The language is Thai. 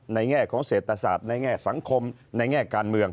แง่ของเศรษฐศาสตร์ในแง่สังคมในแง่การเมือง